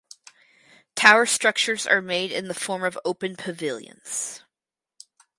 Tower structures are made in the form of open pavilions.